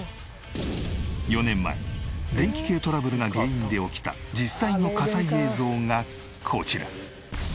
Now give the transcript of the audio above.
４年前電気系トラブルが原因で起きた実際の火災映像がこちら。